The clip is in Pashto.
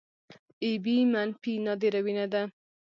اې بي منفي نادره وینه ده